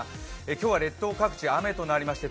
今日は列島各地、雨となりまして